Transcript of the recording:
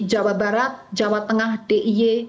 jawa barat jawa tengah diy